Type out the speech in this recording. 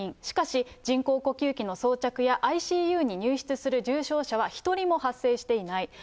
しかし、人工呼吸器の装着やＩＣＵに入室する重症者は一人も発生していない。